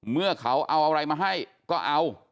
เมื่อเขาเอาอะไรมาให้ก็เอา